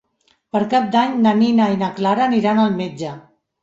Per Cap d'Any na Nina i na Clara aniran al metge.